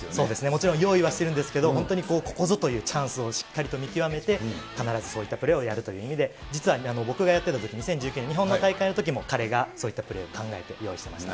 もちろん用意はしているんですけれども、本当にここぞというチャンスをしっかりと見極めて、必ずそういったプレーをやるという意味で、実は僕がやっていたとき、２０１９年、日本の大会のときも、彼がそういったプレーを考えて用意していました。